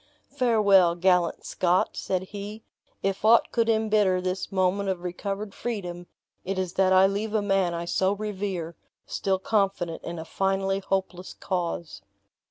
"Farewell, gallant Scot," said he, "if aught could imbitter this moment of recovered freedom, it is that I leave a man I so revere, still confident in a finally hopeless cause!"